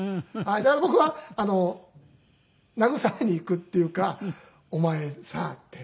だから僕は慰めに行くっていうか「お前さ」って。